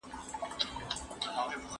استازو به د سولي لپاره هڅي کولې.